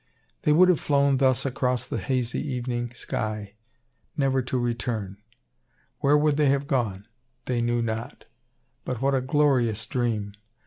They would have flown thus across the hazy evening sky, never to return. Where would they have gone? They knew not; but what a glorious dream!